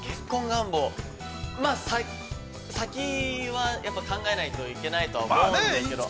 まあ、先はやっぱ考えないといけないとは思うんですけど。